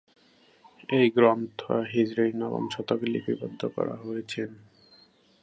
এই গ্রন্থ হিজরীর নবম শতকে লিপিবদ্ধ করা হয়েছেন।